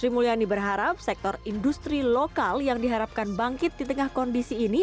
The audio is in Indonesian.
sri mulyani berharap sektor industri lokal yang diharapkan bangkit di tengah kondisi ini